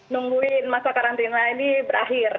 nungguin masa karantina ini berakhir